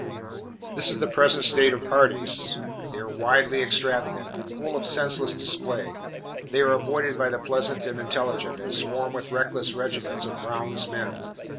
This is the present state of parties. They are wildly extravagant, full of senseless display; they are avoided by the pleasant and intelligent, and swarm with reckless regiments of "Brown's men."